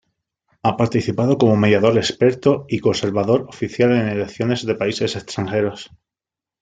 Ha participado como mediador experto y observador oficial en elecciones de países extranjeros.